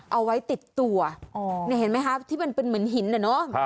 เอาไว้ติดตัวนี่เห็นไหมคะที่มันเป็นเหมือนหินน่ะเนอะ